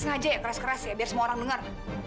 sengaja keras keras ya biar semua orang dengar